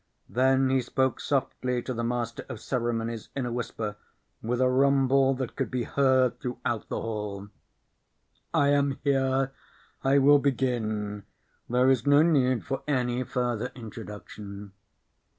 Then he spoke softly to the master of ceremonies in a whisper with a rumble that could be heard throughout the hall. "I am here. I will begin. There is no need for any further introduction."